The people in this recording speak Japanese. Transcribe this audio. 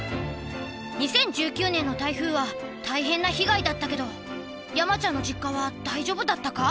２０１９年の台風は大変な被害だったけど山ちゃんの実家は大丈夫だったか？